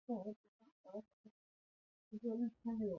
此部件是按照美国军用标准。